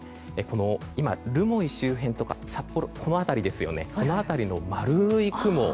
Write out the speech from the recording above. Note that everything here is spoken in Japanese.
留萌周辺とか札幌この辺りの丸い雲